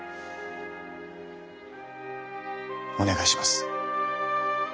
お願いします。